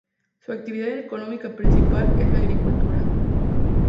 Su actividad económica principal es la agricultura.